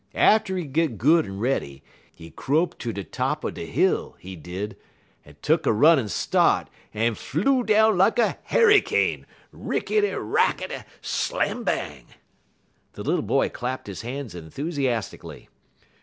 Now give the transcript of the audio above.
Atter he git good en ready, he crope ter de top er de hill, he did, en tuck a runnin' start, en flew down like a harrycane rickety, rackety, slambang!" The little boy clapped his hands enthusiastically.